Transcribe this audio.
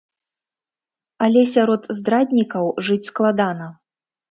Але сярод здраднікаў жыць складана.